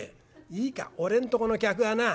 いいか俺んとこの客はなあ